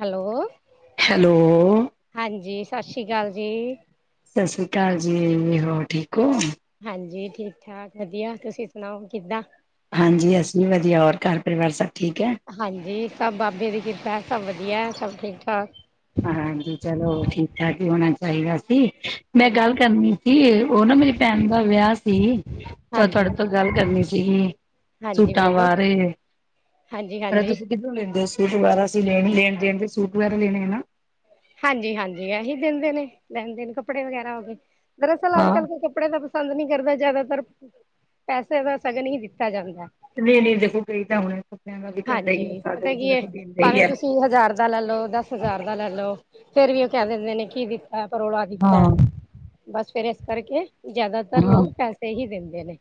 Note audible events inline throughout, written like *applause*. Hello! Hello! ਹਾਂਜੀ ਸਤਿ ਸ਼੍ਰੀ ਅਕਾਲ ਜੀ। ਸਤਿ ਸ੍ਰੀ ਅਕਾਲ ਜੀ। ਹੋਰ ਠੀਕ ਹੋ? ਹਾਂਜੀ! ਠੀਕ ਠਾਕ ਵਧੀਆ! ਤੁਸੀਂ ਸੁਣਾਓ ਕਿੱਦਾਂ? ਹਾਂਜੀ! ਅਸੀਂ ਵੀ ਵਧੀਆ । ਹੋਰ ਘਰ ਪਰਿਵਾਰ ਸਬ ਹਾਂਜੀ! ਸਭ ਬਾਬੇ ਦੀ ਕਿਰਪਾ ਹੈ । ਸਭ ਵਧੀਆ ਹੈ। ਸਭ ਠੀਕ ਠਾਕ। ਹਾਂਜੀ! ਚਲੋ ਠੀਕ ਠਾਕ ਹੀ ਹੋਣਾ ਚਾਹੀਦਾ ਸੀ। ਮੈਂ ਹਾਂਜੀ। ਗੱਲ ਕਰਨੀ ਕੀ! ਏ ਉਹ ਨਾ ਮੇਰੀ ਭੈਣ ਦਾ ਵਿਆਹ ਸੀ, ਤਾਂ ਹਾਂਜੀ, ਤੁਹਾਡੇ ਤੋਂ ਗੱਲ ਕਰਨੀ ਸੀਗੀ। ਹਾਂਜੀ ਸੂਟਾਂ ਬੋਲੋ ਵਾਰੇ। ਹਾਂਜੀ, ਪਰ ਹਾਂਜੀ। ਤੁਸੀਂ ਕਿੱਧੋਂ ਲੈਂਦੇ ਹੋ ਸੂ--? ਸੂਟ! *unintelligible* ਅਸੀ ਲੈਣ ਦੇਣ-ਦੇਣ ਤੇ ਸੂਟ ਵਗੈਰਾ ਲੈਣੇ ਹੈ ਨਾ। ਹਾਂਜੀ! ਹਾਂਜੀ! ਐਹੀ ਦਿੰਦੇ ਨੇ। ਲੈਣ ਦੇਣ! ਕੱਪੜੇ ਵਗੈਰਾ ਹੋ ਗਏ । ਦਰਅਸਲ! ਅੱਜ ਹਾਂ ਕਲ ਕੋਈ ਕੱਪੜੇ ਦਾ ਪਸੰਦ ਨਹੀਂ ਕਰਦਾ। ਜਿਆਦਾਤਰ ਪੈਸੇ ਦਾ ਸਗਨ ਹੀ ਦਿੱਤਾ ਜਾਂਦਾ ਹੈ। ਨਹੀਂ! ਨਹੀਂ! ਦੇਖੋ ਕਈ ਤਾਂ ਹੁਣੇ ਕੱਪੜਿਆਂ ਦਾ ਵੀ ਕਰਦਾ ਹੀ ਹੈ ਹਾਂਜੀ! ਸਾਡੇ ਪਤਾ ਵਿੱਚ ਕੀ ਹੈ! ਦੇਖੋ ਦਿੰਦੇ ਹੀ ਭਾਵੇਂ ਹੈ ਤੁਸੀਂ ਹਜ਼ਾਰ ਦਾ ਲੈ ਲੋ ਦਸ ਹਜ਼ਾਰ ਦਾ ਲੈ ਲੋ। ਫੇਰ ਵੀ ਉਹ ਕਹਿ ਦਿੰਦੇ ਨੇ, ਕੀ ਦਿੱਤਾ ਹੈ? ਪਰੋਲਾ ਦਿੱਤਾ ਹੈ। ਹਾਂ ਬਸ ਫੇਰ ਇਸ ਕਰਕੇ ਜ਼ਿਆਦਾਤਰ ਹਾਂ ਲੋਕ ਪੈਸੇ ਹੀ ਦਿੰਦੇ ਨੇ।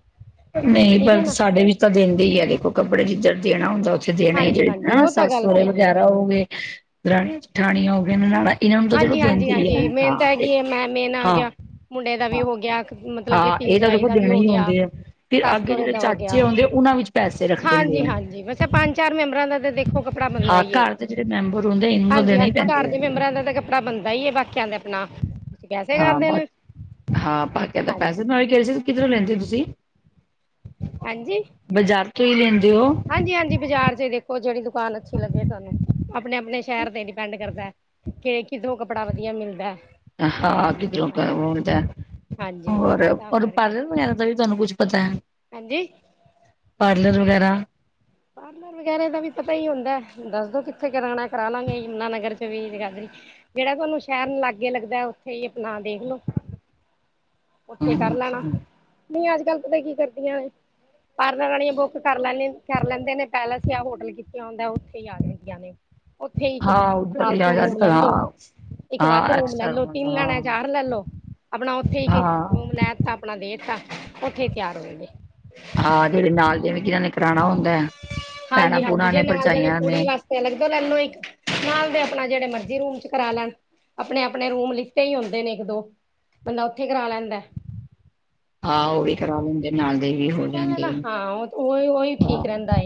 ਨਹੀਂ! ਠੀਕ ਹੈ ਪਰ ਨਾ ਸਾਡੇ ਵੀ ਤਾਂ ਦਿੰਦੇ ਹੀ, ਐ ਦੇਖੋ ਕੱਪੜੇ, ਜਿੱਧਰ ਦੇਣਾ ਹੁੰਦਾ ਓਥੇ ਦੇਣਾ ਹੀ। ਜਿਹੜੇ ਹਾਂਜੀ-ਹਾਂਜੀ ਨਾ! ਉਹ ਤਾਂ ਸੱਸ- ਗੱਲ ਸਹੁਰਰੇ ਸਹੀ ਹੈ ਵਗੈਰਾ ਹੋ ਗਏ । ਦਰਾਣੀ -ਜੇਠਾਣੀ ਹੋ ਗਏਨ। ਨਨਾਦਾ ਹਾਂਜੀ! ਹਾਂਜੀ! ਹਾਂਜੀ! ਮੇਨ ਤਾਂ ਹੈਗੀ ਹੈ। ਮੈਂ-ਮੇਨ ਆ ਹਾਂ ਗਯਾ। ਮੁੰਡੇ ਦਾ ਵੀ ਹੋ ਗਿਆ। ਮਤਲਬ ਕਿ! ਹਾਂ ਧੀ ਇਹ ਤਾਂ ਜਵਾਈ ਦੇਖੋ ਦਾ ਵੀ ਦੇਣੇ ਹੋ ਹੀ ਗਿਆ। ਹੁੰਦੇ ਆ ਫਿਰ ਅੱਗੇ ਸਸ-ਸੌਰੇ ਜਿਹੜੇ ਦਾ ਹੋ ਚਾਚੇ ਗਿਆ। ਆਉਂਦੇ ਉਹਨਾਂ ਵਿੱਚ ਪੈਸੇ ਰੱਖ ਦਿੰਦੇ ਆ ਹਾਂਜੀ! ਹਾਂਜੀ! ਵੈਸੇ, ਪੰਜ ਚਾਰ ਮੈਂਬਰਾਂ ਦਾ ਦੇ ਦੇਖੋ ਕੱਪੜਾ ਬਣਦਾ ਹਾਂ ਹੀ ਹੈ। ਘਰ ਦੇ ਜਿਹੜੇ ਮੈਂਬਰ ਹੁੰਦੇ ਇਹਨਾਂ ਨੂੰ ਹਾਂਜੀ ਦੇਣੇ ਹੀ ਹਾਂਜੀ ਪੈਂਦੇ ਘਰ ਆ ਦੇ ਮੈਂਬਰਾਂ ਦਾ ਤਾਂ ਕੱਪੜਾ ਬਣਦਾ ਹੈ । ਨਹੀਂ ਏ ਵਕਿਆ ਦੇ। ਹਾਂ ਬ ਹਾਂ ਪਾ ਕੇ ਤਾਂ ਪੈਸੇ ਨਾਲੇ ਕੇਹਰਿ ਸੀ ਕਿਧਰੋਲੈਂਦੇ ਹੋ ਤੁਸੀਂ। ਬਜ਼ਾਰ । ਹਾਂਜੀ! ਹਾਂਜੀ! ਬਾਜ਼ਾਰ ਚ ਹੀ ਦੇਖੋ! ਜਿਹੜੀ ਦੁਕਾਨ ਅੱਛੀ ਲੱਗੇ ਤੁਹਾਨੂੰ। ਆਪਣੇ ਆਪਣੇ ਸ਼ਹਿਰ ਤੇ ਡਿਪੈਂਡ ਕਰਦਾ ਹੈ, ਕਿ ਕਿਧਰੋਂ ਕੱਪੜਾ ਵਧੀਆ ਮਿਲਦਾ ਹੈ? ਅ ਹਾਂ ਕਿਧਰੋਂ ਹੂਂਣ! *unintelligible* ਹਾਂਜੀ ਤਾਂ ਹੋਰ-ਹੋਰ ਕਰਕੇ ਪਾਰਲਰ ਭਗੈਰਾ ਦਾ ਵੀ ਤੁਹਾਨੂੰ ਕੁੱਛ? ਪਤਾ ਹੈ। ਹਾਂਜੀ। ਪਾਰਲਰ ਵਗੈਰਾ? ਪਾਰਲਰ ਵਗੈਰਾ ਦਾ ਵੀ ਪਤਾ ਹੀ ਹੁੰਦਾ ਹੈ। ਦੱਸਦੋ ਕਿੱਥੇ ਕਰਾਉਣਾ ਹੈ, ਕਰਾ ਲਾਂਗੇ। ਯਮੁਨਾ ਨਗਰ ਚ ਵੀ ਜਿਹੜਾ ਤੁਹਾਨੂੰ ਸ਼ਹਿਰ ਨੂੰ ਲਾਗੇ ਲੱਗਦਾ ਹੈ, ਉੱਥੇ ਹੀ। ਨਾ ਦੇਖਲੋ! ਉੱਥੇ ਕਰ ਲੈਣਾ। ਨਹੀਂ ਆਜ ਗਲਤ ਤਾਂ ਕੀ ਕਰਦੀਆਂ ਏਹ! ਪਾਰਲਰ ਵਾਲੀਆਂ ਬੁੱਕ ਕਰ ਲੈਂਦੀ। ਕਰ ਲੈਂਦੇ ਨੇ। ਪੈਲਸ ਯਾਂ ਹੋਟਲ ਕੀਤਾ ਹੁੰਦਾ ਹੈ ਓ ਉੱਥੇ ਹੀ ਆ ਜਾਣਦੀਆਂ ਨੇ। ਉੱਥੇ ਹੀ ਇੱਕ ਹਾਂ ਉਧਰ ਵੀ ਫਾਲਤੂ ਅੱਜ ਰੂਮ ਕੱਲ ਲੈ ਲੋ। ਹਾਂ ਇੱਕ ਵੱਧ ਹਾਂ ਰੂਮ ਲੈ ਐਕਸਟਰਾ ਲੋ। ਤਿੰਨ ਲੈਣਾ ਹੈ, ਹਾਂ ਚਾਰ ਲੈਲੋ। ਆਪਣਾ ਉੱਥੇ ਹੀ ਇਕ-ਇਕ ਹਾਂ ਰੂਮ ਲੈ ਦਿੱਤਾਾ। ਆਪਣਾ ਦੇ ਦਿੱਤਾ। ਉੱਥੇ ਹੀ ਤਿਆਰ ਹੋਏ ਨੇ। ਹਾਂ! ਜਿਹੜੇ ਨਾਲ, ਜਿਵੇ ਜਿਹਨਾਂ ਨੇ ਕਰਾਉਣਾ ਹੁੰਦਾ ਹੈ। ਭੈਣਾਂ ਹਾਂਜੀ! ਹਾਂਜੀ! ਭੂਣਾਂ ਜੇ ਨਾਲ ਜਾ ਨੇ ਭਰਜਾਈਆਂ ਕੁੜੀ ਵਾਸਤੇ ਅਲੱਗ ਲੈਲੋ। ਇੱਕ ਨਾਲ ਦੇ ਆਪਣਾ ਜਿਹੜੇ ਮਰਜੀ ਰੂਮ ਚ ਕਰਾ ਲੈਣ। ਆਪਣੇ ਆਪਣੇ ਰੂਮ ਲਿਖਤੇ ਹੀ ਹੁੰਦੇ ਨੇ ਇੱਕ ਦੋ। ਬੰਦਾ ਉੱਥੇ ਕਰਾ ਲੈਂਦਾ ਹੈ। ਹਾਂ ਉਹ ਵੀ ਕਰਾ ਲੈਂਦੇ ਨਾਲ। ਦੇ ਵੀ ਹੋ ਜਾਂਦੇ *unintelligible* ਹਾਂ ਉਹੀ ਉਹੀ ਹਾਂ ਠੀਕ ਰਹਿੰਦਾ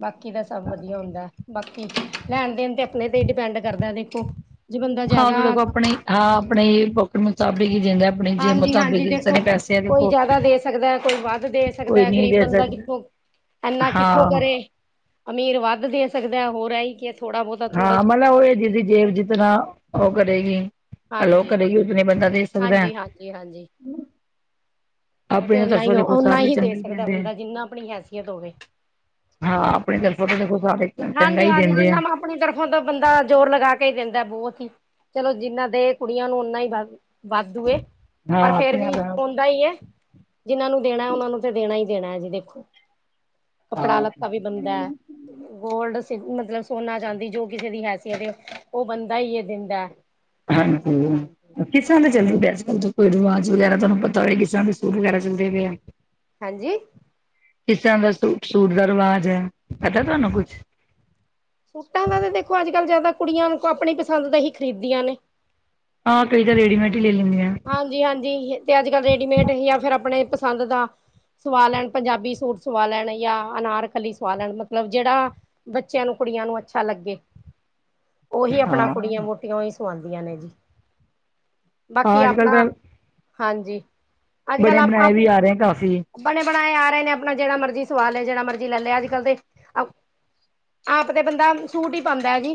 ਬਾਕੀ ਤਾਂ ਸਭ ਵਧੀਆ ਹੁੰਦਾ। ਬਾਕੀ ਲੈਣ ਦੇਣ ਤੇ ਆਪਣੇ ਤੇ ਹੀ ਡਿਪੈਂਡ ਕਰਦਾ ਦੇਖੋ। ਜੇ ਬੰਦਾ ਹਾਂ ਜ਼ਿਆਦਾ ਦੇਖੋ ਆਪਣੇ ਹਾਂ ਆਪਣੇ ਪੌਕਟ ਮੁਤਾਬਿਕ। ਹੀ ਦਿੰਦਾ ਆਪਣੇ ਜੇਬ ਹਾਂਜੀ ਮੁਤਾਬਿਕ ਹਾਂਜੀ ਹੀ ਜਿਸ ਦੇਖੋ ਨੇ ਪੈਸੇ ਆ ਕੋਈ ਦੇਖੋ ਜ਼ਿਆਦਾ ਦੇ ਸਕਦਾ ਕੋਈ ਵੱਧ ਦੇ ਕੋਈ ਸਕਦਾ ਨਹੀਂ ਗਰੀਬ ਦੇ ਬੰਦਾ। ਸਕਦਾ ਕਿੱਥੋਂ ਇਨਾ ਕਿੱਥੋਂ ਹਾਂ ਕਰੇ ਅਮੀਰ ਵੱਧ ਦੇ ਸਕਦਾ ਹੋਰ ਏਹੀ ਕਿ ਥੋੜਾ ਬਹੁਤਾ ਥੋੜੇ ਹਾਂ ਚ ਮਤਲਬ ਥੋੜਾ ਉਹ ਇਹ ਬਹੁਤੇ ਚ ਜਿਦੀ ਬਹੁਤਾ ਜੇਬ ਹੀ ਹੁੰਦਾ ਜਿਤਨਾ ਹੈ। ਉਹ ਕਰੇਗੀ। ਹੈਲੋ ਹਾਂਜੀ, ਕਦੇ ਵੀ *unintelligible* ਬੰਦਾ ਦੇ ਸਕਦਾ ਹੈ। ਹਾਂਜੀ, ਹਾਂਜੀ ਹਾਂਜੀ ਉਹ ਤੇ ਆਪਣੀ ਓਨਾ ਹੀ ਤਰਫੋਂ ਦੇਖੋ ਓਨਾ ਸਾਰੇ ਹੀ ਦੇ ਚੰਗੀ ਸਕਦਾ ਦਿੰਦੇ ਆ। ਬੰਦਾ ਜਿੰਨਾ ਆਪਣੀ ਹੈਸੀਅਤ ਹੋਵੇ। ਹਾਂ ਆਪਣੀ ਤਰਫੋਂ ਤਾਂ ਦੇਖੋ ਸਾਰੇ ਚੰਗਾ ਹਾਂਜੀ ਹੀ ਹਾਂਜੀ ਦਿੰਦੇ ਆ ਜਿੰਨਾ ਮੈਂ ਆਪਣੀ ਤਰਫੋਂ ਤੋਂ ਬੰਦਾ ਜ਼ੋਰ ਲਗਾ ਕੇ ਦਿੰਦਾ। ਦਾ ਬਹੁਤ ਹੀ ਚਲੋ ਜਿੰਨਾ ਦੇ ਕੁੜੀਆਂ ਨੂੰ ਓਨਾ ਹੀ। ਵਾੱਧੂ ਏ ਪਰ ਹਾਂ ਫੇਰ ਧੀਆਂ ਵੀ ਭੈਣਾਂ ਹਉਂਦਾ ਹੀ ਹੈ ਜਿਹਨਾਂ ਨੂੰ ਦੇਣਾ ਉਹਨਾਂ ਨੂੰ ਤੇ ਦੇਣਾ ਹੀ। ਦੇਣਾ ਏ ਜੀ ਦੇਖੋ ਕੱਪੜਾ ਲੱਤਾ ਵੀ ਬਣਦਾ ਹੈ ਹਾਂਜੀ। ਗੋਲਡ ਮਤਲਬ ਸੋਨਾ ਚਾਂਦੀ ਜੋ ਕਿਸੇ ਦੀ ਹੈਸੀਅਤ ਏ ਓ ਬੰਦਾ ਹੀ ਹੈ ਦਿੰਦਾ ਹਾਂ ਹਾਂਜੀ। ਕਿਸ ਚੱਲ ਪ ਅੱਜ ਕੱਲ ਕੋਈ ਰਵਾਜ਼ ਵਗੈਰਾ ਤੁਹਾਨੂੰ ਪਤਾ ਹੋ ਕਿਸ ਤਰ੍ਹਾਂ ਦੇ ਸੂਟ ਵਗੈਰਾ ਚੱਲਦੇ ਪਏ ਆ। ਹਾਂਜੀ ਕਿਸਰ ਦਾ ਸੂਟ ਸੂਟ ਦਾ ਰਿਵਾਜ ਹੈ ਪਤਾ ਤੁਹਾਨੂੰ ਕੁਛ। ਸੂਟਾਂ ਦਾ ਤਾਂ ਦੇਖੋ ਅੱਜ ਕੱਲ੍ਹ ਜਿਆਦਾ ਕੁੜੀਆਂ ਆਪਣੀ ਪਸੰਦ ਦਾ ਹੀ ਖ਼ਰੀਦੀਆਂ ਨੇ। ਹਾਂ ਕਈਂ ਤਾਂ ਰੇਡੀਮੇਡ। ਹੀ ਲੈ ਲੈਂਦੀਆਂ ਹਾਂਜੀ ਹਾਂਜੀ ਤੇ ਅੱਜ ਕੱਲ ਰੇਡੀਮੇਡ ਜਾਂ ਫਿਰ ਆਪਣੇ ਪਸੰਦ ਦਾ। ਸਵਾ ਲੈਣ ਪੰਜਾਬੀ ਸੂਟ ਸਵਾ ਲੈਣ ਜਾਂ ਅਨਾਰਕਲੀ ਸਵਾ ਲੈਣ ਮਤਲਬ ਜਿਹੜਾ ਬੱਚਿਆਂ ਨੂੰ ਕੁੜੀਆਂ ਨੂੰ ਅੱਛਾ ਲੱਗੇ ਹ *unintelligible* ਉਹੀ ਆਪਣਾ ਕੁੜੀਆਂ ਵੋਹਟੀਆਂ ਹੀ ਸਵਾਂਦੀਆਂ ਨੇ ਜੀ ਬਾਕੀ ਹਾਂ ਅੱਜ ਕੱਲ੍ਹ ਆਪਣਾ ਤਾਂ ਹਾਂਜੀ ਅੱਜ ਕੱਲ ਬਣੇ ਆਪਾਂ ਬਣਾਏ ਵੀ ਆ ਰਹੇ ਕਾਫੀ ਬਣੇ ਬਣਾਏ ਆ ਨੇ ਆਪਣਾ ਜਿਹੜਾ ਮਰਜ਼ੀ ਸਵਾਲ ਹੈ ਜਿਹੜਾ ਮਰਜੀ ਲੈ ਲਿਆ ਅੱਜ ਕੱਲ੍ਹ ਤੇ ਆਪ ਤੇ ਬੰਦਾ ਸੂਟ ਹੀ ਪਾਂਦਾ ਐ ਜੀ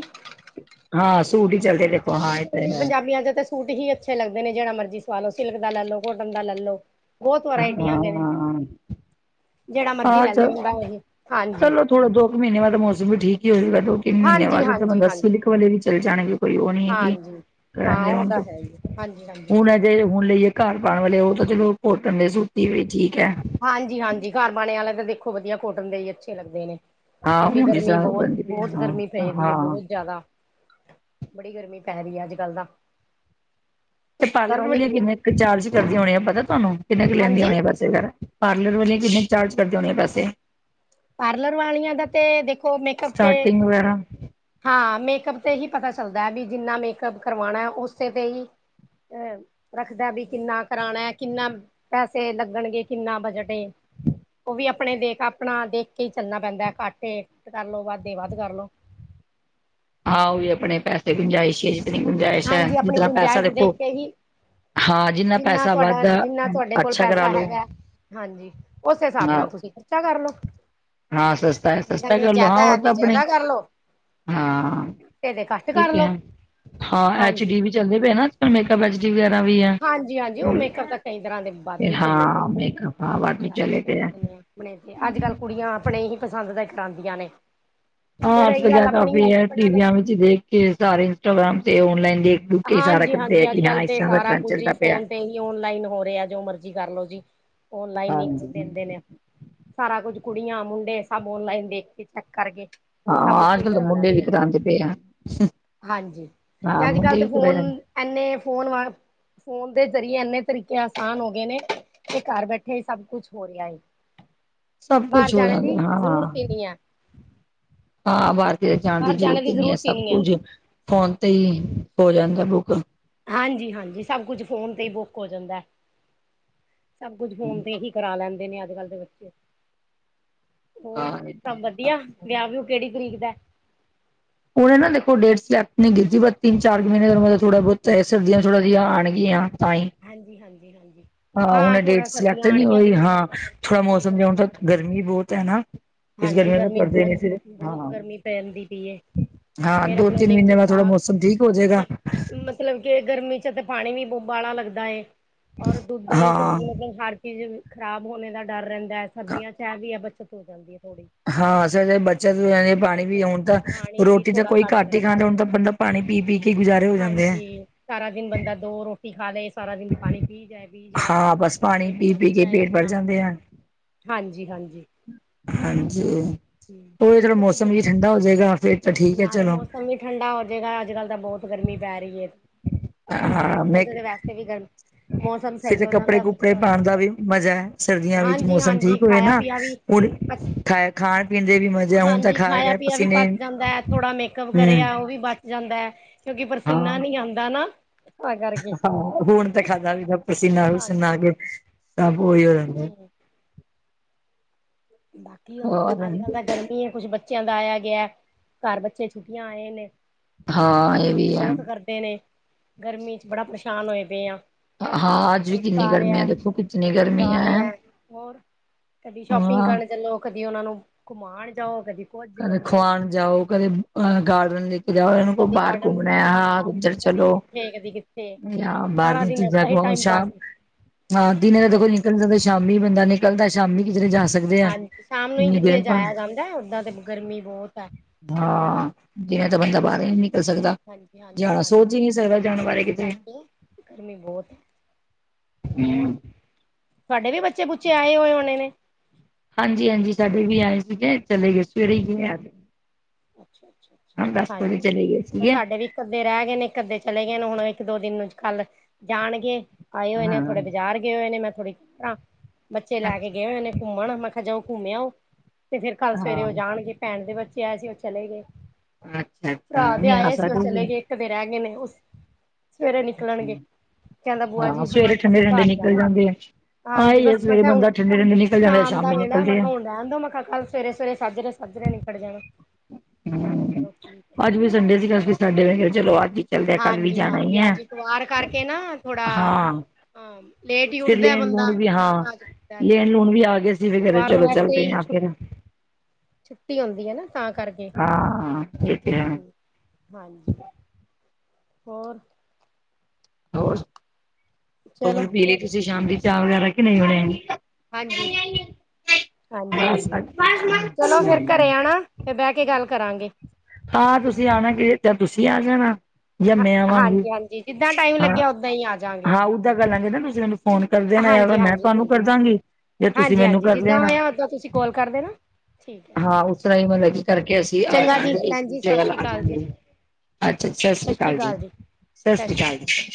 ਹਾਂ ਹੀ ਚੱਲਦੇ ਦੇਖੋ ਸੂਟ ਹਾਂ ਹੀ ਇਹ ਸੂਟ ਤਾਂ ਹੀ ਹੈ। ਪੰਜਾਬੀਆਂ ਦੇ ਤਾਂ ਸੂਟ ਹੀ ਅੱਛੇ ਲੱਗ ਜਿਹੜਾ ਮਰਜ਼ੀ ਸਵਾ ਲੋ ਸਿਲਕ ਦਾ ਲੈ ਲੋ ਕੋਟਨ ਦਾ ਲੈ ਲੋ ਬਹੁਤ ਵਰਾਇਟੀਆਂ ਦੇ ਨੇ ਹਾਂ ਜਿਹੜਾ ਮਰਜੀ ਹਾਂ, ਲੈ ਲੇ ਚੱਲ ਬੰਦਾ ਉਹੀ ਹਾਂਜੀ ਚੱਲੋ ਥੋੜਾ ਦੋ ਕੁ ਮਹੀਨੇ ਬਾਅਦ ਮੌਸਮ ਵੀ ਠੀਕ ਹੀ ਹੋਏਗਾ ਉਦੋਂ ਤਿੰਨ ਮਹੀਨੇ ਹਾਂਜੀ ਬਾਅਦ ਤਾਂ ਹਾਂਜੀ ਬੰਦਾ ਹਾਂਜੀ ਸਿਲਕ ਵਾਲੇ ਵੀ ਚੱਲ ਜਾਣੇਗੇ ਕੋਈ ਉਹ ਨਹੀਂ ਹੈਗੀ ਹਾਂਜੀ ਹਾਂ ਉਹ ਰਯੋਨ ਤਾਂ ਤੇ ਹੈ ਹੀ ਹਾਂਜੀ ਹਾਂਜੀ ਹੁਣ ਅ ਜੇ ਹੁਣ ਲਈਏ ਘਰ ਪਾਉਣ ਵਾਲੇ ਉਹ ਤਾਂ ਚਲੋ ਕੋਟਨ ਦੇ ਸੂਤੀ ਵੀ ਠੀਕ ਹੈ। ਹਾਂਜੀ ਹਾਂਜੀ ਘਰ ਪਾਣੇ ਵਾਲੇ ਤਾਂ ਦੇਖੋ ਵਧੀਆ ਕੋਟਨ ਦੇ ਹੀ ਅੱਛੇ ਲੱਗਦੇ ਨੇ। ਹਾਂ ਕਿਉਂਕਿ ਹੁਣ ਜਿਸ ਗਰਮੀ ਤਰ੍ਹਾਂ ਬਹੁਤ ਬਣਦੀ ਪਈ ਬਹੁਤ ਹਾਂ ਗਰਮੀ ਪੈਂਦੀ ਹੈ ਹਾਂ ਬਹੁਤ ਜ਼ਿਆਦਾ। ਬੜੀ ਗਰਮੀ ਪੈ ਰਹੀ ਹੈ ਅੱਜ ਕੱਲ੍ਹ ਤਾਂ। ਤੇ ਪਾਰਲਰ ਘਰੋਂ ਵਾਲਿਆਂ ਨਿਕਲ ਕਿੰਨੇ ਕੁ ਚਾਰਜ ਕਰਦੀਆਂ ਹੋਣੀ ਆ ਪਤਾ ਤੁਹਾਨੂੰ ਕਿੰਨੇ ਕੁ ਲੈਂਦੀਆਂ ਹਾਂਜੀ ਹੋਣੀ ਪੈਸੇ ਵਗੈਰਾ ਪਾਰਲਰ ਵਾਲੀਆਂ ਕਿੰਨੇ ਚਾਰਜ ਕਰਦੀਆ ਹੋਨੀਆ ਪੈਸੇ ਪਾਰਲਰ ਵਾਲੀਆਂ ਦਾ ਤੇ ਦੇਖੋ ਮੇਕਅੱਪ ਤੇ। ਸਟਾਰਟਿੰਗ ਵਗੈਰਾ ਹਾਂ ਮੇਕਅਪ ਤੇ ਹੀ ਪਤਾ ਚੱਲਦਾ ਵੀ ਜਿੰਨਾ ਮੇਕਅਪ ਕਰਵਾਉਣਾ ਉਸੇ ਤੇ ਹੀ। ਅ ਰੱਖਦਾ ਵੀ ਕਿੰਨਾ ਕਰਾਉਣਾ ਕਿੰਨਾ ਪੈਸੇ ਲੱਗਣਗੇ ਕਿੰਨਾ ਬਜਟ ਏ ਉਹ ਵੀ ਆਪਣੇ ਦੇਖ ਆਪਣਾ ਦੇਖ ਕੇ ਹੀ ਚੱਲਣਾ ਪੈਂਦਾ ਘੱਟ ਏ ਕਰਲੋ ਵੱਧ ਏ ਵੱਧ ਕਰਲੋ। ਹਾਂ ਉਹ ਵੀ ਆਪਣੇ ਪੈਸੇ ਗੁੰਜਾਇਸ਼ ਹੈ ਜਿਤਨੀ ਗੁੰਜਾਇਸ਼ ਹੈ ਹਾਂਜੀ ਆਪਣੀ ਜਿਤਨਾ ਪੈਸਾ ਗੁੰਜਾਇਸ਼ ਦੇਖੋ ਦੇਖ ਕੇ ਹੀ ਹਾਂ ਜਿੰਨਾ ਪੈਸਾ ਤੁਹਾਡਾ ਵੱਧਦਾ ਜਿੰਨਾ ਤੁਹਾਡੇ ਕੋਲ ਅੱਛਾ ਕਰਾ ਪੈਸਾ ਲੋ। ਹੈਗਾ ਹਾਂਜੀ ਉਸ ਹਿਸਾਬ ਹਾਂ ਨਾਲ ਤੁਸੀਂ ਖਰਚਾ ਕਰਲਓ ਹਾਂ ਸਸਤਾ ਹੈ ਸਸਤਾ ਕਰਲੋ ਹਾਂ ਉਹ ਤਾਂ ਤੇ ਆਪਣੇ ਜ਼ਿਆਦਾ ਕਰਲੋ ਹਾਂ ਤੇ ਤੇ ਘੱਟ ਇਹ ਤੇ ਕਰਲੋ ਹੈ ਹਾਂ ਐਚ ਹਾਂਜੀ ਡੀ ਵੀ ਚੱਲਦੇ ਪਏ ਨਾ ਮੇਕਪ ਐਚ ਵਗੈਰਾ ਵੀ ਆ ਹਾਂਜੀ-ਹਾਂਜੀ ਉਹ ਮੇਕਅਪ ਤਾਂ ਹਾਂ ਮੇਕਅਪ ਹਾਂ ਬਾਕੀ *inaudible* ਚਲੇ ਤੇ ਹੈ। ਅੱਜ ਕੱਲ ਕੁੜੀਆਂ ਆਪਣੇ ਹੀ ਪਸੰਦ ਦਾ ਕਰਾਂਦੀਆਂ ਨੇ। ਤੇ ਹਾਂ ਅੱਜ ਰਹੀ ਕੱਲ ਗੱਲ ਜ਼ਿਆਦਾ ਆਪਣੀ *unintelligible* ਆਪਣਾ ਤੇ ਟੀਵੀਆਂ ਵਿੱਚ ਦੇਖ ਕੇ ਸਾਰੇ ਇੰਸਟਾਗ੍ਰਾਮ ਤੇ ਔਨਲਾਈਨ ਦੇਖ ਦੁਖ ਕੇ ਹੀ ਸਾਰਾ ਕਰਦੇ ਆ ਕੀ ਹਾਂ ਇਸ ਤਰ੍ਹਾਂ ਦਾ ਟਰੈਂਡ ਕੁਜੀ ਚੱਲਦਾ ਪਿਆ। ਫੋਨ ਤੇ ਹੀ ਆਨਲਾਈਨ ਹੋ ਰਿਹਾ ਜੋ ਮਰਜ਼ੀ ਕਰਲੋ ਜੀ ਆਨਲਾਈਨ ਹੀ ਹਾਂਜੀ। ਦਿੰਦੇ ਨੇ ਸਾਰਾ ਕੁੱਝ ਕੁੜੀਆਂ ਮੁੰਡੇ ਸਭ ਔਨਲਾਈਨ ਦੇਖ ਕੇ ਚੈੱਕ ਕਰਕੇ ਸਭ ਹਾਂ, ਉੱਥੇ ਅੱਜ ਹੀ ਕੱਲ੍ਹ ਤਾਂ ਕਰਾ ਮੁੰਡੇ ਵੀ ਲੈਂਦੇ ਨੇ ਕਰਾਂਦੇ ਪਏ ਆਂ ਹਾਂਜੀ। ਤੇ ਅੱਜ ਕੱਲ ਤੇ ਫੋਨ ਐਨੇ ਫੋਨ ਵਾ ਫੋਨ ਦੇ ਜ਼ਰੀਏ ਇੰਨੇ ਤਰੀਕੇ ਆਸਾਨ ਹੋ ਗਏ ਨੇ ਕਿ ਘਰ ਬੈਠੇ ਹੀ ਸਭ ਕੁਛ ਹੋ ਰਿਹਾ ਏ ਸਭ ਬਾਹਰ ਕੁਛ ਹੋ ਜਾਣੇ ਜਾਂਦਾ ਦੀ ਹਾਂ ਜ਼ਰੂਰਤ ਹੀ ਨਹੀਂ ਆ ਹਾਂ, ਬਾਹਰ ਕਿਤੇ ਜਾਣ ਦੀ ਜ਼ਰੂਰਤ ਹੀ ਨਹੀਂ ਹੈ ਸਭ ਕੁਝ ਫੋਨ ਤੇ ਹੀ ਹੋ ਜਾਂਦਾ ਬੁੱਕ ਹਾਂਜੀ ਹਾਂਜੀ, ਸਭ ਕੁਝ ਫੋਨ ਤੇ ਹੀ ਬੁੱਕ ਹੋ ਜਾਂਦਾ। ਸਭ ਕੁੱਝ ਹੂੰ। ਫੋਨ ਤੇ ਹੀ ਕਰਾ ਲੈਂਦੇ ਨੇ ਅੱਜ ਕੱਲ੍ਹ ਦੇ ਬੱਚੇ ਹੋਰ ਹਾਂ ਇਹ ਸਭ ਤੇ ਹੈ ਵਧੀਆ ਵਿਆਹ ਵਿਊ ਕਿਹੜੀ ਤਰੀਕ ਦਾ ਹੁਣੇ ਨਾ ਦੇਖੋ ਡੇਟ ਸਲੈ ਨਹੀਂ *unintelligible* ਤਿੰਨ ਚਾਰ ਦਿਨਾਂ ਦੀ ਮਤਲਬ ਥੋੜਾ ਬਹੁਤ ਤੇ ਹੈ ਸਰਦੀਆਂ ਥੋੜਾ ਜਿਆਂ ਆਣਗੀਆਂ। ਹਾਂਜੀ-ਹਾਂਜੀ, ਹਾਂਜੀ ਹਾਂ, ਹੁਣੇ ਡੇਟ ਥੋੜਾ ਸਿਲੈੱਕਟ ਸਰਦੀਆਂ ਨੀ ਆਉਣਗੀਆਂ ਹੋਈ ਅਕਤੂਬਰ ਹਾਂ ਨਵੰਬਰ ਇਹੀ ਥੋੜ੍ਹਾ ਤਰੀਕ ਮੌਸਮ ਜਾ ਹੁਣ ਤਾਂ ਰੱਖਣਾ ਗਰਮੀ ਬਹੁਤ ਐ ਨਾ ਇਸ ਹਾਂਜੀ ਨੂੰ ਗਰਮੀ ਕਰਦੇ ਬਹੁਤ ਨੇ ਫਿਰ ਬਹੁਤ ਹਾਂ ਗਰਮੀ ਪੈਂਦੀ ਪਈ ਏ ਹਾਂ ਫੇਰ ਦੋ ਆਪਣਾ ਤਿੰਨ ਮਹੀਨੇ ਦੇਖੋ ਬਾਅਦ ਥੋੜਾ ਸਾਗ ਮੌਸਮ ਠੀਕ ਹੋ ਮ ਜਾਏਗਾ ਮਤਲਬ ਕਿ ਗਰਮੀ ਚ ਤੇ ਪਾਣੀ ਵੀ ਬਹੁ ਬਾਲਾ ਲੱਗਦਾ ਏ ਔਰ ਦੁੱਧ, ਦਹੀ, ਹਾਂ ਸਬਜ਼ੀ ਮਤਲਬ ਹਰ ਚੀਜ਼ ਖ਼ਰਾਬ ਹੋਣੇ ਦਾ ਡਰ ਰਹਿੰਦਾ ਸਰਦੀਆਂ ਚ ਐ ਵੀ ਐ ਬੱਚਤ ਹੋ ਜਾਂਦੀ ਐ ਹਾਂ, ਸਈ ਗੱਲ ਬੱਚਤ ਵੀ ਹੈਨੀ ਪਾਣੀ ਅੱਛਾ ਵੀ ਅੱਛਾ। ਹੁਣ ਤਾਂ ਪਾਣੀ ਵੀ ਰੋਟੀ ਤਾਂ ਥੋੜਾ ਕੋਈ ਘੱਟ ਹੀ ਲੱਗਦਾ। ਖਾਂਦੇ ਹੁਣ ਤਾਂ ਬੰਦਾ ਪਾਣੀ ਪੀ ਪੀ ਕੇ ਗੁਜ਼ਾਰੇ ਹੋ ਜਾਂਦੇ ਹੈ ਹਾਂਜੀ, ਸਾਰਾ ਦਿਨ ਬੰਦਾ ਦੋ ਰੋਟੀ ਖਾ ਲਏ ਸਾਰਾ ਦਿਨ ਪਾਣੀ ਪੀ ਜਾਏ ਪੀ ਜਾਏ ਹਾਂ ਬਸ ਪਾਣੀ ਪੇਟ ਪੀ ਪੀ ਭਰੀ ਕੇ ਜਾਏ ਪੇਟ ਭਰ ਆਪਣਾ ਜਾਂਦੇ ਆ ਹਾਂਜੀ-ਹਾਂਜੀ ਹਾਂਜੀ ਉਹ ਥੜਾ ਤੇ ਮੌਸਮ ਵੀ ਕੁੱਝ ਠੰਡਾ ਹੋ ਜਾਏਗਾ ਫੇ ਨਾਲੇ ਮੌਸਮ ਵੀ ਠੰਡਾ ਹੋਜਏਗਾ ਅੱਜ ਕੱਲ ਤਾਂ ਬਹੁਤ ਗਰਮੀ ਪੈ ਰਹੀ ਹੈ- ਅਕਤੂਬਰ ਨਵੰਬਰ ਚ ਵੈਸ ਵੀ ਗਰਮੀ ਫਰ ਕੱਪੜੇ ਕੁਪੜੇ ਪਾਉਣ ਦਾ ਵੀ ਮਜ਼ਾ ਹੈ ਸਰਦੀਆਂ ਵਿੱਚ ਮੌਸਮ ਹਾਂਜੀ-ਹਾਂਜੀ ਠੀਕ ਹੋਏ ਖਾਇਆ ਨਾ ਪੀਆ ਵੀ ਹੁਣ ਖ ਖਾਣ ਪੀਣ ਦੇ ਵੀ ਮਜ਼ੇ ਹੁਣ ਤਾਂ ਹਾਂਜੀ ਖਾਇਆ ਗਿਆ ਪੀਆ ਵੀ ਪਸੀਨੇ ਪਚ ਜਾਂਦਾ ਹੈ ਥੋੜਾ ਮੇਕਅਪ ਕਰੇ ਹਮ ਉਹ ਵੀ ਬਚ ਜਾਂਦਾ ਹੈ ਕਿਉਂਕਿ ਪਰਸੀਨਾ ਹਾਂ ਨੀ ਆਂਦਾ ਨਾ ਤਾਂ ਕਰਕੇ ਹਾਂ, ਹੁਣ ਤਾਂ *unintelligible* ਪਰਸੀਨਾ ਪਰਸੁਨਾ ਆ ਹਾਂਜੀ ਕੇ ਸਭ ਓਹੀਓ ਹੂੰ *unintelligible* ਬਾਕੀ ਹੁਣ ਅੱਜ ਕੱਲ ਤਾਂ ਗਰਮੀ ਹੈ ਕੁੱਛ ਬੱ ਬੱਚਿਆਂ ਦਾ ਆਇਆ ਗਿਆ ਘਰ ਬੱਚੇ ਛੁੱਟੀਆਂ ਆਏ ਨੇ ਹਾਂ ਇਹ ਤੰਗ ਵੀ ਐ ਬਹੁਤ ਕਰਦੇ ਨੇ। ਗਰਮੀ ਚ ਬੜਾ ਪਰੇਸ਼ਾਨ ਹੋਏ ਪਏ ਆ ਹਾਂ, ਅੱਜ ਵੀ ਇੱਕ ਕਿੰਨੀ ਆ ਗਰਮੀ ਹੈ ਰਿਹਾ ਦੇਖੋ ਕਿਤਨੀ ਇੱਕ ਗਰਮੀ ਜਾ ਐ ਹੂੰ ਪਿੰਗਣ ਚੱਲੋ ਕਦੀ ਉਹਨਾਂ ਨੂੰ ਘੁੰਮਾਣ ਜਾਓ ਕਦੀ ਕੁੱਝ ਕਦੇ ਕਦੀ ਕੁੱਝ ਖਵਾਣ ਜਾਓ ਕਦੇ ਅਹ ਗਾਰਡਨਰ *unintelligible* ਕਦੀ ਬਾਹਰ ਗਾਰਡਨ ਘੁੰਮਣਾ ਕਦੀ ਆ ਪਾਰਕ *unintelligible* ਚ ਕਦੀ ਚਲੋ ਕਿੱਥੇ ਕਦੀ ਕਿੱਥੇ ਜਾਂ ਬਾਹਰ ਸਾਰਾ ਦੀਆਂ ਦਿਨ ਚੀਜ਼ਾਂ ਏਦਾਂ ਕ ਹੀ ਟਾਈਮ ਪਾਸ ਹਾਂ, ਦਿਨੇ ਤਾਂ ਦੇਖੋ ਹਾਂਜੀ *unintelligible* ਸ਼ਾਮੀ ਬੰਦਾ ਨਿਕਲਦਾ ਸ਼ਾਮੀ ਕਿਧਰੇ ਜਾ ਸਕਦੇ ਆ ਹਾਂਜੀ ਸ਼ਾਮ ਨੂੰ ਹੀ ਇੰਨੀ ਕਿੱਥੇ ਦੇਰ ਬਾਅਦ। ਜਾਇਆ ਜਾਂਦਾ ਹੈ ਓਦਾਂ ਤੇ ਗਰਮੀ ਬਹੁਤ ਹੈ ਹਾਂ, ਜਿਵੇਂ ਤਾਂ ਬੰਦਾ ਬਾਹਰ ਨੀ ਹਾਂਜੀ-ਹਾਂਜੀ, ਜਾਣ ਹਾਂਜੀ ਬਾਰੇ ਇਸ ਕਿਤੇ ਕਰਕੇ ਗਰਮੀ ਬਹੁਤ ਐ ਹੋਰ ਤੁਹਾਡੇ ਵੀ ਬੱਚੇ ਬੁੱਚੇ ਆਏ ਹੋਏ ਹੋਣੇ ਨੇ ਹਾਂਜੀ-ਹਾਂਜੀ ਸਾਡੇ ਵੀ ਆਏ ਸੀਗੇ ਚਲੇ ਗਏ ਸਵੇਰੇ ਹੀ ਗਏ ਅੱਜ ਹਾਂਜੀ ਚਲੇ ਗਏ ਤਾਂ ਸੀਗੇ ਸਾਡੇ ਵੀ ਇੱਕ ਅੱਧੇ ਰਹਿ ਗਏ ਨੇ ਇੱਕ ਅੱਧੇ ਚਲੇ ਗਏ ਨੇ ਹੁਣ ਇੱਕ ਦੋ ਦਿਨ ਨੂੰ ਕੱਲ ਜਾਣਗੇ ਆਏ ਹੋਏ ਨੇ ਹਾਂ ਥੋੜੇ ਬਾਜ਼ਾਰ ਗਏ ਹੋਏ ਨੇ ਮੈਂ ਥੋੜੀ ਬੱਚੇ ਲੈ ਕੇ ਅੱਛਾ ਗਏ ਹੋ ਇਹਨੇ ਘੁੰਮਣ ਮੈਂ ਕਿਹਾ ਕਿਹਾ ਜਾਓ ਘੁੰਮਿਆ ਉਹ ਤੇ ਫਿਰ ਕੱਲ ਸਵੇਰੇ ਹਾਂ ਉਹ ਜਾਣਗੇ ਭੈਣ ਦੇ ਬੱਚੇ ਆਏ ਸੀ ਉਹ ਚਲੇ ਗਏ ਅੱਛਾ ਅੱਛਾ ਭਰਾ ਦੇ ਨਹੀਂ ਆ ਆਏ ਸੀ ਉਹ ਸਾਡੇ ਵੀ ਚਲੇ ਗਏ ਇੱਕ ਦੇ ਰਹਿ ਗਏ ਨੇ ਸਵੇਰੇ ਨਿਕਲਣਗੇ ਕਹਿੰਦਾ ਬੂਆ ਹਾਂ ਜੀ ਸਵੇਰੇ ਠੰਡੇ ਅਸੀਂ ਠੰਡੇ ਘਰ ਨਿਕਲ ਜਾਣਾ ਜਾਂਦੇ ਆ ਹਾਂਜੀ ਆਹੀ ਬਸ ਹੈ ਮੈਂ ਸਵੇਰੇ ਕਿਹਾ ਹੁਣ ਬੰਦਾ ਠੰਡੇ ਠੰਡੇ ਨਿਕਲ ਜਾਂਦਾ ਸ਼ਾਮ ਦਾ ਸ਼ਾਮੀ ਵੇੜਾ ਮੈਂ ਨਿਕਲਦੇ ਆ ਕਿਹਾ ਹੁਣ ਰਹਿਣ ਦ ਮੈਂ ਕਿਹਾ ਕੱਲ ਸਵੇਰੇ ਸਵੇਰੇ ਸਾਜ ਰਹੇ ਕਿੱਧਰ ਨੀ ਖੜ ਜਾਣਾ ਕਹਿੰਦਾ ਹਮ ਚਲੋ ਠੀਕ ਹੈ ਅੱਜ ਵੀ ਸੰਡੇ ਸੀਗੇ ਸੰਡੇ ਗ ਚਲੋ ਅੱਜ ਹੀ ਚੱਲਦਿਆਂ ਕੱਲ ਵੀ ਹਾਂਜੀ ਜਾਣਾ ਹਾਂਜੀ ਹੈ ਅੱਜ ਇਤਵਾਰ ਕਰਕੇ ਨਾ ਥੋੜਾ ਹਾਂ। ਹਾਂ ਲੇਟ ਹੀ ਫਿਰ ਉੱਠਦਾ ਲੇਣ ਬੰਦਾ ਲੂਣ ਵੀ ਹਾਂ ਕੰਮ ਕਾਜ ਦਾ ਤੇ ਲੈਣ ਲੂਣ ਵੀ ਆ ਗਏ ਸੀ ਫਿਕਰ ਇਤਵਾਰ ਨੂੰ ਚਲੋ ਵੈਸੇ ਚਲਦੇ ਹੀ ਛੁ ਫਿਰ ਛੁੱਟੀ ਹੋ ਗਈ ਹੈਨਾ । ਹਾਂ ਇਹ ਹਾਂਜੀ। ਹੋਰ? ਹੋਰ? ਚਲੋ ਹੋਰ ਪੀਲੇ ਤੁਸੀਂ ਸ਼ਾਮ ਦੀ ਚਾਹ ਵਗੈਰਾ ਕਿ ਨਹੀਂ ਹੋਣੇ ਹੈਗੇ? ਹਾਂਜੀ। ਹਾਂਜੀ ਬਸ ਹਾਂਜੀ ਅੱਛਾ ਚਲੋ ਫਰ ਘਰੇ ਜੀ। ਆਣਾ ਫਿਰ ਬਹਿ ਕੇ ਗੱਲ ਕਰਾਂਗੇ। ਹਾਂ ਤੁਸੀਂ ਆਣਾ ਕਿ ਤੁਸੀਂ ਆ ਜਾਣਾ ਜਾਂ ਹਾਂ ਮੈਂ ਆਵਾਂਗੀ ਹਾਂਜੀ ਹਾਂਜੀ ਜਿੱਦਾਂ ਟਾਈਮ ਹਾਂ ਲੱਗਿਆ ਓਦਾਂ ਹੀ ਆ ਜਾਗੇ ਹਾਂ ਓਦਾਂ ਕਰ ਲਾਂਗੇ ਨਾ ਤੁਸੀਂ ਮੈਨੂੰ ਫੋਨ ਕਰ ਦੇਣਾ ਯਾਰ ਹਾਂਜੀ ਮੈਂ ਹਾਂਜੀ ਤੁਹਾਨੂੰ ਹਾਂਜੀ ਕਰਦਾਂਗੀ ਜੇ ਤੁਸੀਂ ਹਾਂਜੀ ਮੈਨੂੰ ਹਾਂਜੀ ਕਰ ਜਿੱਦਾਂ ਲੈਣਾ। ਹੋਇਆ ਓਦਾਂ ਤੁਸੀਂ ਕੋਲ ਕਰ ਦੇਣਾ ਠੀਕ ਹੈ ਹਾਂ ਉਸ ਤਰ੍ਹਾਂ ਹੀ ਮਤਲਬ ਕੀ ਕਰਕੇ ਅਸੀਂ ਆ ਚੰਗਾ ਜੀ ਜਾਵਾਂਗੇ ਭੈਣ ਜੀ ਤੇ ਸਤਿ ਸ਼੍ਰੀ ਆ ਅਕਾਲ ਜੀ ਜਾਂਗੇ ਅੱਛਾ ਸਤਿ ਸ਼੍ਰੀ ਅਕਾਲ ਜੀ ਸਤਿ ਸ੍ਰੀ ਅਕਾਲ ਜੀ।